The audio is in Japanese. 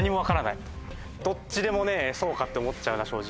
どっちでもねそうかって思っちゃうな正直。